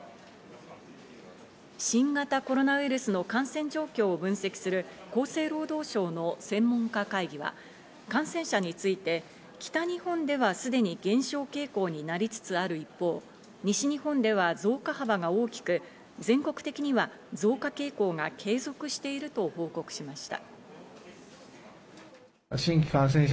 新型コロナウイルスの感染状況を分析する厚生労働省の専門家会議は、感染者について北日本ではすでに減少傾向になりつつある一方、西日本では増加幅が大きく、全国的には増加傾向が継続していると報告しました。